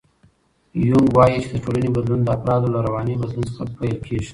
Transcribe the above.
یونګ وایي چې د ټولنې بدلون د افرادو له رواني بدلون څخه پیل کېږي.